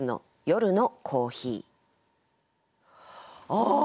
ああ！